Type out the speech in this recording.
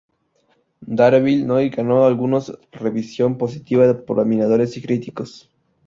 Daredevil Noir ganó algunos revisión positiva por admiradores y críticos.